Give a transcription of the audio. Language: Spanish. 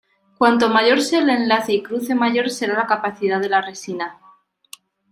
Cuanto mayor sea el enlace y cruce mayor será la capacidad de la resina.